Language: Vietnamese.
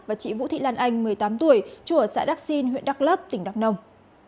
và chị vũ thị lan anh một mươi tám tuổi chú ở xã đắc xin huyện đắk lắp tỉnh đắk nông